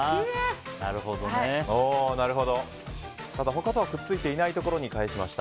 ただ他とはくっついていないところに返しました。